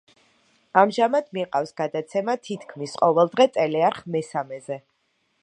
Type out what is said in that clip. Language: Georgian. ამჟამად მიყავს გადაცემა „თითქმის ყოველდღე“ ტელეარხ „მესამეზე“.